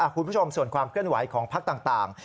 คุณผู้ชมส่วนความเคลื่อนไหวของพักต่าง